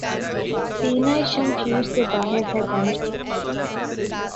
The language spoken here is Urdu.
سینہٴ شمشیر سے باہر ہے دم شمشیر کا